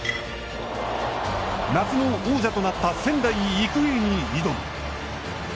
夏の王者となった仙台育英に挑む。